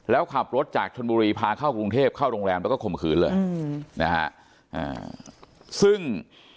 แล้วขับรถจากชนบุรีพาเข้ากรุงเทพเข้าโรงแรมแล้วก็ข่มขืนเลยอืมนะฮะซึ่ง